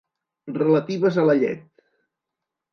Relatives a la llet.